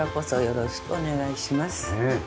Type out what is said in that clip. よろしくお願いします。